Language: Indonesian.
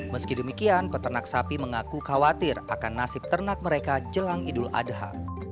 meski demikian peternak sapi mengaku khawatir akan nasib ternak mereka jelang idul adha